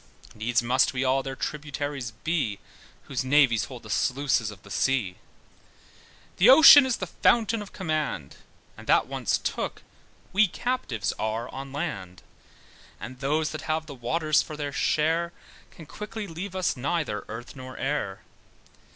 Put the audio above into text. Needs must we all their tributaries be, Whose navies hold the sluices of the sea. The ocean is the fountain of command, But that once took, we captives are on land. And those that have the waters for their share, Can quickly leave us neither earth nor air.